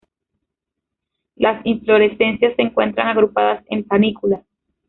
Las inflorescencias se encuentran agrupadas en panículas.